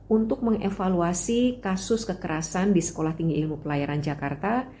untuk mengevaluasi kasus kekerasan di sekolah tinggi ilmu pelayaran jakarta